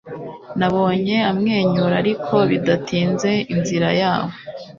Nabonye amwenyura Ariko bidatinze inzira yabo